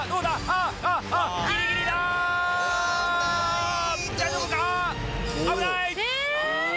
ああ危ない！